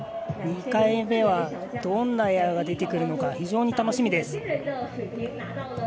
２回目はどんなエアが出てくるのか非常に楽しみです。